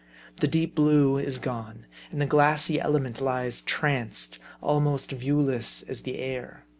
The deep blue is gone ; and the glassy element lies tranced ; almost viewless as the air.